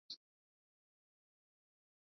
au itaendeleza ndio kuviirudisha nyuma